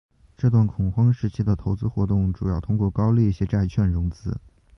这段恐慌时期的投资活动主要通过高利息债券融资。